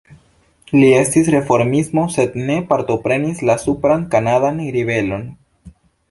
Li estis reformisto sed ne partoprenis la supran kanadan ribelon.